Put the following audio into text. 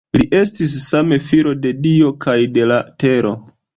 Li estis same filo de dio kaj de la tero.